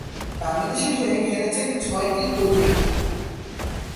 বাংলাদেশের হয়ে খেলেছেন ছয়টি ওডিআই।